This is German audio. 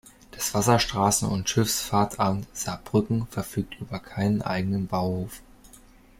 Das Wasserstraßen- und Schifffahrtsamt Saarbrücken verfügt über keinen eigenen Bauhof.